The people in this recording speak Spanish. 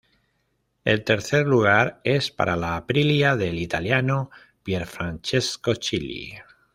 El tercer lugar es para la Aprilia del italiano Pierfrancesco Chili.